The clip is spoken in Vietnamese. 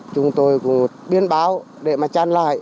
chúng tôi cũng biên báo để mà tràn lại